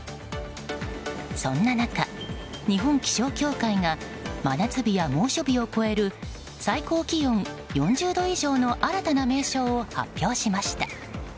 そんな中、日本気象協会が真夏日や猛暑日を超える最高気温４０度以上の新たな名称を発表しました。